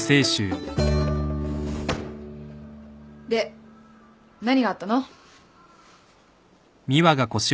で何があったの？